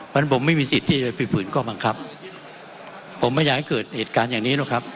เพราะฉะนั้นผมไม่มีสิทธิ์ที่จะไปฝืนข้อบังคับผมไม่อยากให้เกิดเหตุการณ์อย่างนี้หรอกครับ